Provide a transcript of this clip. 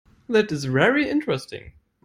That is very interesting.